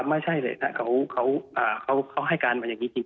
ไม่ใช่เลยนะเขาให้การมาอย่างนี้จริง